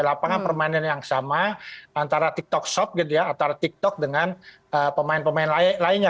lapangan permainan yang sama antara tiktok shop gitu ya antara tiktok dengan pemain pemain lainnya